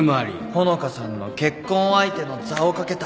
穂香さんの結婚相手の座を懸けた。